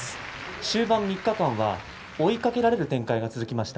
終盤４日間は追いかける展開が続きました。